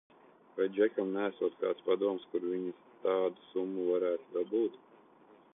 Vai Džekam neesot kāds padoms, kur viņas tādu summu varētu dabūt?